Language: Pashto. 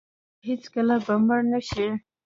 چې هیڅکله به مړ نشي.